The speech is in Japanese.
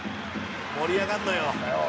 「盛り上がるのよ」